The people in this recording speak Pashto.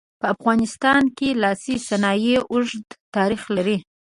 په افغانستان کې لاسي صنایع اوږد تاریخ لري.